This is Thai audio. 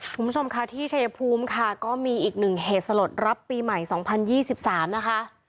คุณผู้ชมค่ะที่ชายภูมิค่ะก็มีอีกหนึ่งเหตุสลดรับปีใหม่สองพันยี่สิบสามนะคะ